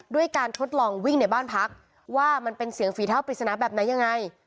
ด้วยการทดลองวิ่งในบ้านพักว่ามันเป็นเสียงฝีเท้าปริศนาแบบไหนยังไง